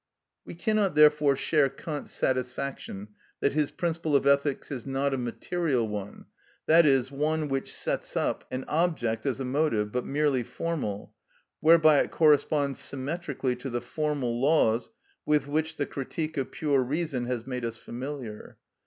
We cannot, therefore, share Kant's satisfaction that his principle of ethics is not a material one, i.e., one which sets up an object as a motive, but merely formal, whereby it corresponds symmetrically to the formal laws with which the "Critique of Pure Reason" has made us familiar.